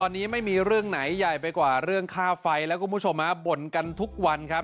ตอนนี้ไม่มีเรื่องไหนใหญ่ไปกว่าเรื่องค่าไฟแล้วคุณผู้ชมฮะบ่นกันทุกวันครับ